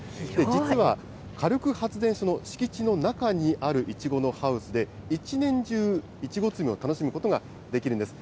実は火力発電所の敷地の中にあるいちごのハウスで、一年中、いちご摘みを楽しむことができるんです。